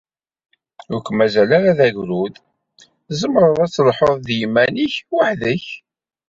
Ur k-mazal ara d agrud, tzemreḍ ad d-telhuḍ d yiman-ik weḥd-k.